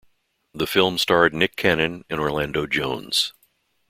The film starred Nick Cannon and Orlando Jones.